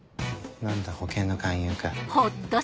何だ保険の勧誘か。